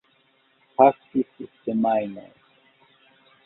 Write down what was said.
Pasis semajnoj.